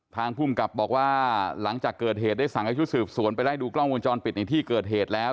ภูมิกับบอกว่าหลังจากเกิดเหตุได้สั่งให้ชุดสืบสวนไปไล่ดูกล้องวงจรปิดในที่เกิดเหตุแล้ว